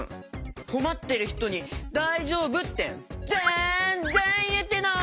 こまってるひとに「だいじょうぶ？」ってぜんぜんいえてない！